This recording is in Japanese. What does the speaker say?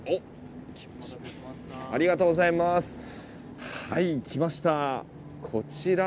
ありがとうございます。来ました。